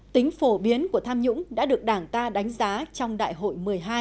tính phổ biến của tham nhũng đã được đảng ta đánh giá trong đại hội một mươi hai